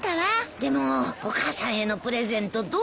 でもお母さんへのプレゼントどうしよう。